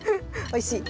おいしい？